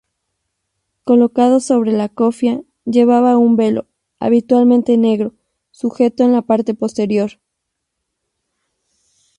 Colocado sobre la cofia, llevaba un velo, habitualmente negro, sujeto en la parte posterior.